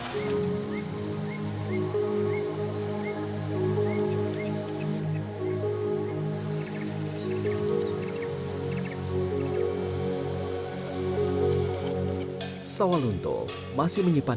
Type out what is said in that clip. ketika di bukit asam